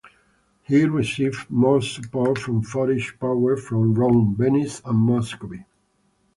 He received more support from foreign powers, from Rome, Venice and Muscovy.